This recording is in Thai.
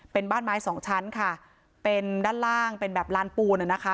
เป็นบ้านไม้สองชั้นค่ะเป็นด้านล่างเป็นแบบลานปูนอ่ะนะคะ